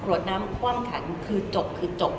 ใช่ค่ะขวดน้ำความขันคือจบ